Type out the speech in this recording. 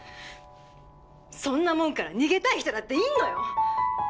そんなもんから逃げたい人だっているのよ！